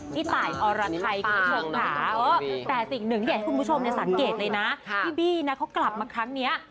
พี่ตายอรไทยคุณผู้ชมค่ะแต่สิ่งหนึ่งที่อยากให้คุณผู้ชมสังเกตเลยนะพี่บี้นะเขากลับมาครั้งนี้